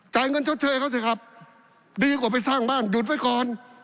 เงินชดเชยเขาสิครับดีกว่าไปสร้างบ้านหยุดไว้ก่อน